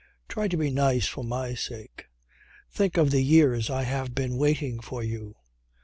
"Try to be nice for my sake. Think of the years I have been waiting for you.